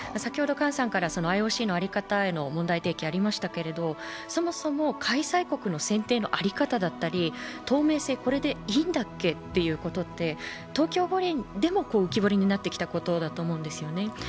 姜さんからＩＯＣの在り方への問題提起ありましたけど、そもそも開催国の選定の在り方だったり透明性、これでいいんだっけ？ということって東京五輪でも浮き彫りになってきたことだと思うんです。